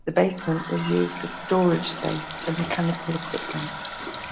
The basement was used as storage space for mechanical equipment.